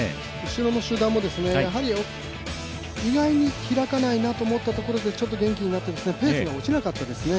後ろの集団も意外に開かないなと思ったところでちょっと元気になってペースが落ちなかったですね。